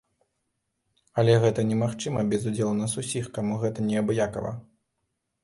Але гэта немагчыма без удзелу нас усіх, каму гэта неабыякава.